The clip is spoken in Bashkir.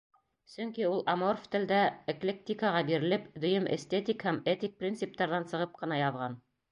Сөнки ул аморф телдә, эклектикаға бирелеп, дөйөм эстетик һәм этик принциптарҙан сығып ҡына яҙған.